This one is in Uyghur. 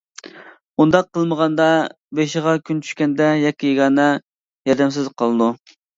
ئۇنداق قىلمىغاندا، بېشىغا كۈن چۈشكەندە يەككە-يېگانە، ياردەمسىز قالىدۇ.